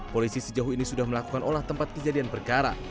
polisi sejauh ini sudah melakukan olah tempat kejadian perkara